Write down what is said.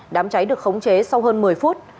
đám cháy được khống chế sau hơn một mươi phút